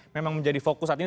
memang menjadi fokus saat ini